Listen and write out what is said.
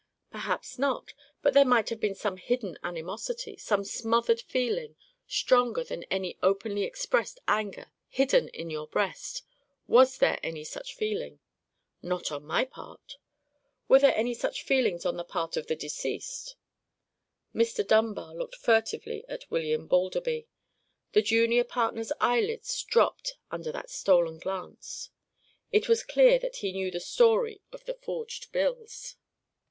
"Perhaps not; but there might have been some hidden animosity, some smothered feeling, stronger than any openly expressed anger, hidden in your breast. Was there any such feeling?" "Not on my part." "Was there any such feeling on the part of the deceased?" Mr. Dunbar looked furtively at William Balderby. The junior partner's eyelids dropped under that stolen glance. It was clear that he knew the story of the forged bills.